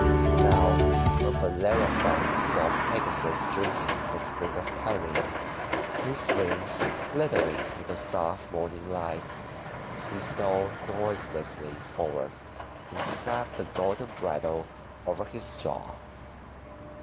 Now, when Bellerophon saw Pegasus drinking from the Spring of Pirene, his wings glittering in the soft morning light, he stole noiselessly forward and clapped the golden bridle over his jaw.